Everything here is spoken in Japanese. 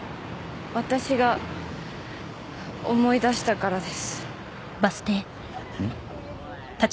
私が思い出したからですん？